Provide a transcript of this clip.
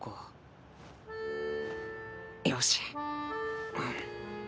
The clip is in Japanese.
よし。